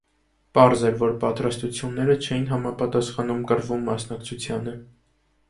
Պարզ էր, որ պատրաստությունները չէին համապատասխանում կռվում մասնակցությանը։